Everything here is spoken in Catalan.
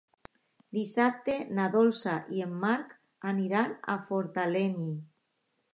Dissabte na Dolça i en Marc aniran a Fortaleny.